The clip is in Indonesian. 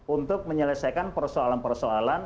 untuk menyelesaikan persoalan persoalan